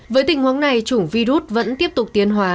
với tình huống này chủng virus vẫn tiếp tục tiến hóa